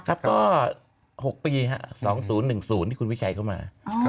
ครับก็๖ปีครับ๒๐๑๐ที่คุณวิชัยเข้ามา